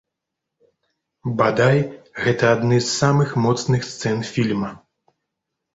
Бадай, гэта адны з самых моцных сцэн фільма.